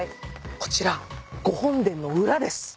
こちらご本殿の裏です。